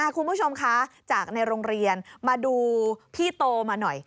คุณผู้ชมคะจากในโรงเรียนมาดูพี่โตมาหน่อย